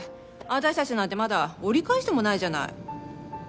私たちなんてまだ折り返してもないじゃない。